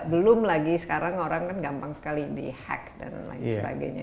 belum lagi sekarang orang kan gampang sekali di hack dan lain sebagainya